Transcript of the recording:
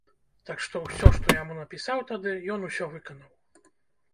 Так што, усё, што я яму напісаў тады, ён усё выканаў.